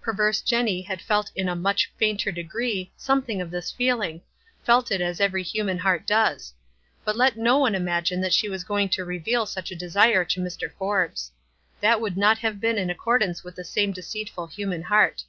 Perverse Jenny had felt in a much fainter degree something of this feel ing, felt it as every human heart does. But let no one imagine that she was going to reveal such a desire to Mr. Forbes. That would not have been in accordance with the same deceitful human heart.